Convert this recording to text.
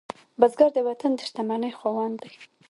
بزګر د وطن د شتمنۍ خاوند دی